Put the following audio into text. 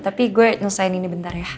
tapi gue ngesain ini bentar ya